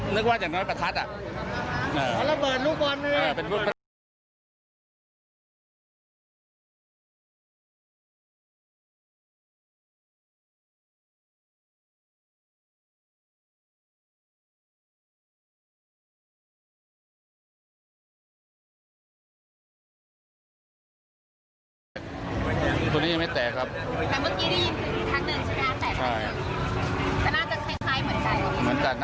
เพื่อจากนั้นขอต้อนรอบราวที่จะซื้อมาเหมือนกัน